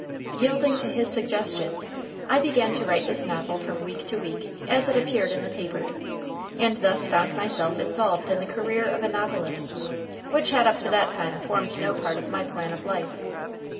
Yielding to his suggestion, I began to write this novel from week to week as it appeared in the paper, and thus found myself involved in the career of a novelist, which had up to that time formed no part of my plan of life.